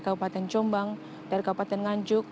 kabupaten jombang dari kabupaten nganjuk